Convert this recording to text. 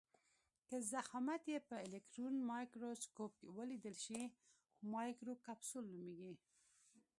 که ضخامت یې په الکټرون مایکروسکوپ ولیدل شي مایکروکپسول نومیږي.